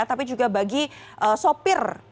tapi juga bagi sopir